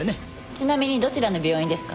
ちなみにどちらの病院ですか？